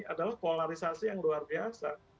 adalah polarisasi yang luar biasa